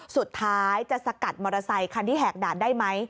สุดท้ายจะสกัดมอเตอร์ไซคันที่แหกด่านได้ไหม